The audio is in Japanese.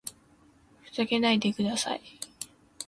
ふざけないでください